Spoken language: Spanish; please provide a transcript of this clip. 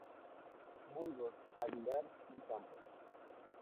Burgos-Aguilar de Campoo.